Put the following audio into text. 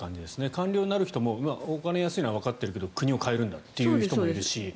官僚になる人もお金が安いのはわかってるけど国を変えるんだという人もいるし。